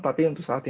tapi untuk saat ini